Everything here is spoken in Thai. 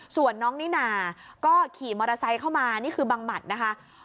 ส่วนน้องนิน่าก็ขี่มอเตอร์ไซค์เข้ามานี่คือบังหมัดนะคะ